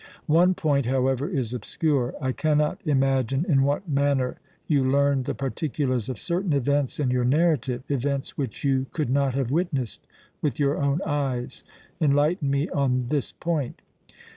One point, however, is obscure. I cannot imagine in what manner you learned the particulars of certain events in your narrative, events which you could not have witnessed with your own eyes. Enlighten me on this point."